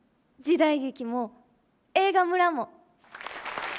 時代劇も映画村も。